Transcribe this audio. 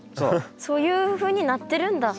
そういうふうになってるんだ。